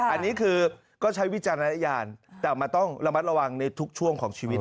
อันนี้คือก็ใช้วิจารณญาณแต่มันต้องระมัดระวังในทุกช่วงของชีวิต